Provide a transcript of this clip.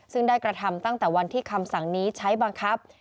ซึ่งได้กระทำตั้งแต่วันที่คำสั่งนี้ใช้บังคับ